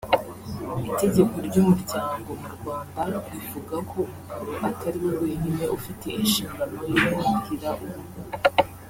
Itegeko ry’ umuryango mu Rwanda rivuga ko umugabo atari we wenyine ufite inshingano yo guhahira urugo